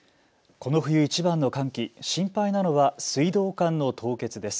この冬いちばんの寒気、心配なのは水道管の凍結です。